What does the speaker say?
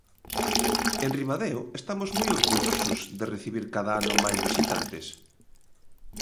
En Ribadeo estamos moi orgullosos de recibir cada ano máis visitantes.